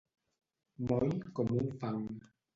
Moll com un fang.